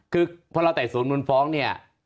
คือพอเราไต่สวนมูลฟ้องเนี่ย